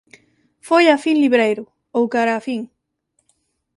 Foi á fin libreiro, ou cara á fin.